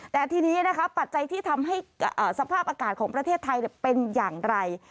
แต่ทีนี้นะคะปัจจัยที่ทำให้สภาพอากาศของประเทศไทยเป็นอย่างไร